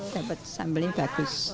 dapat sambelnya bagus